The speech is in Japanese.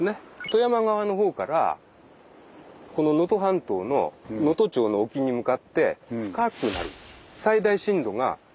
富山側のほうからこの能登半島の能登町の沖に向かって深くなる。